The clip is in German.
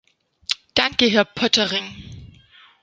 Danke, Herr Poettering.